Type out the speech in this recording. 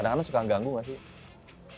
kadang kadang suka ganggu gak sih